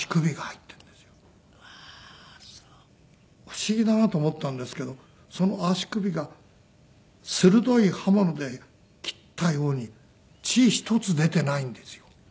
不思議だなと思ったんですけどその足首が鋭い刃物で切ったように血ひとつ出てないんですよ。